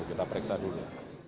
kita periksa dulu